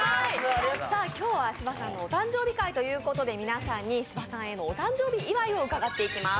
今日は芝さんのお誕生日会ということで皆さんに芝さんへのお誕生日祝いを伺っていきます。